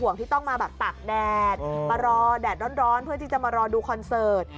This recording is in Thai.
ที่ต้องมาแบบตากแดดมารอแดดร้อนเพื่อที่จะมารอดูคอนเสิร์ต